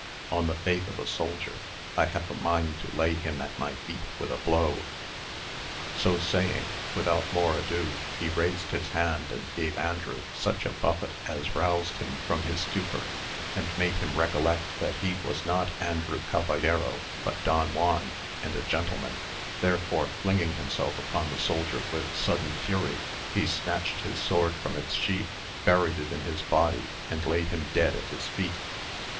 On the faith of a soldier, I have a mind to lay him at my feet with a blow." So saying, without more ado he raised his hand, and gave Andrew such a buffet as roused him from his stupor, and made him recollect that he was not Andrew Caballero but Don Juan and a gentleman; therefore, flinging himself upon the soldier with sudden fury, he snatched his sword from its sheath, buried it in his body, and laid him dead at his feet.